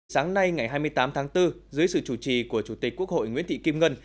sáng nay ngày hai mươi tám tháng bốn dưới sự chủ trì của chủ tịch quốc hội nguyễn thị kim ngân